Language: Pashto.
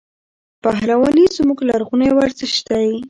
پهلواني زموږ لرغونی ورزش دی.